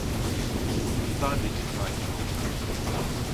Sadece sakin olun.